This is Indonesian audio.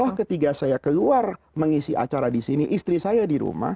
oh ketika saya keluar mengisi acara di sini istri saya di rumah